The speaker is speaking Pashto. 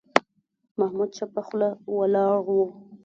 محمود چوپه خوله ولاړ و.